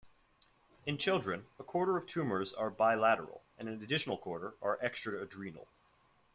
In children, a quarter of tumors are bilateral, and an additional quarter are extra-adrenal.